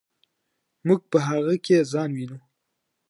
موږ په هغه کې ځان وینو.